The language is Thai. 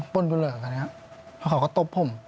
ป้นกูเหรอครับเขาก็ตบผม